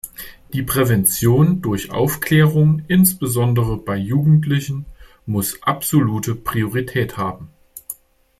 Die Prävention durch Aufklärung, insbesondere bei Jugendlichen, muss absolute Priorität haben.